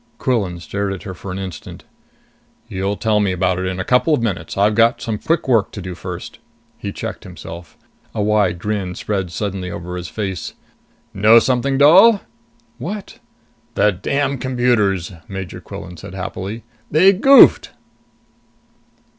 Quillan stared at her for an instant. "You'll tell me about it in a couple of minutes. I've got some quick work to do first." He checked himself. A wide grin spread suddenly over his face. "Know something, doll?" "What?" "The damn computers!" Major Quillan said happily. "They goofed!"